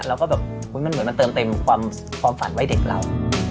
แล้วก็แบบมันเหมือนมันเติมเต็มความฝันไว้เด็กเรา